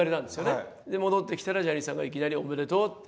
で戻ってきたらジャニーさんがいきなり「おめでとう」って。